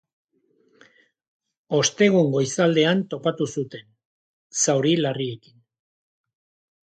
Ostegun goizaldean topatu zuten, zauri larriekin.